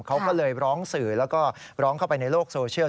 เขาก็เลยร้องสื่อแล้วก็ร้องเข้าไปในโลกโซเชียล